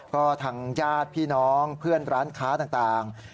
ก็ทางญาติพี่น้องเพื่อนร้านค้าต่าง